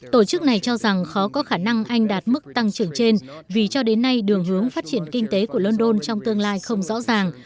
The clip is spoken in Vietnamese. tổ chức này cho rằng khó có khả năng anh đạt mức tăng trưởng trên vì cho đến nay đường hướng phát triển kinh tế của london trong tương lai không rõ ràng